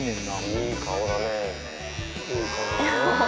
いい顔だね。